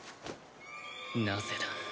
なぜだ。